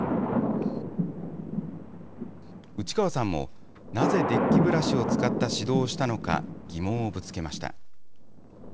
内川さんもなぜデッキブラシを使った指導をしたのか、疑問をぶつけました。